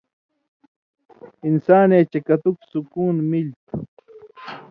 انسانے چےۡ کتک سکُون ملیۡ تُھو